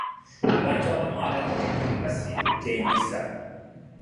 abantu abamu abanywa omwenge basiwuuka empisa .